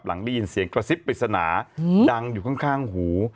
หลังได้ยินเสียงกระซิบปริศนาดังอยู่ข้างหู